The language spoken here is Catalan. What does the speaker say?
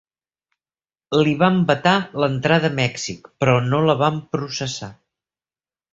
Li van vetar l'entrada a Mèxic, però no la van processar.